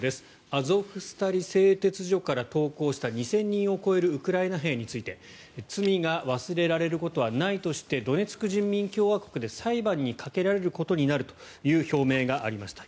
アゾフスタリ製鉄所から投降した２０００人を超えるウクライナ兵について罪が忘れられることはないとしてドネツク人民共和国で裁判にかけられることになるという表明がありました。